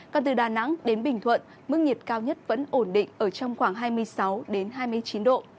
còn từ đà nẵng đến bình thuận mức nhiệt cao nhất vẫn ổn định ở trong khoảng hai mươi sáu hai mươi chín độ